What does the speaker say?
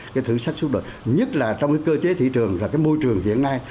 cái thử sách suốt đời nhất là trong cái cơ chế thị trường và cái môi trường hiện nay